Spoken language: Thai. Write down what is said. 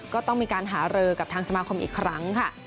ก็ต้องมีการหารือกับทางสมาคมอีกครั้งค่ะ